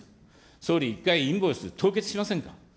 総理、一回、インボイス凍結しませんか。